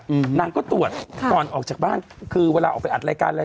อืมนางก็ตรวจค่ะก่อนออกจากบ้านคือเวลาออกไปอัดรายการอะไร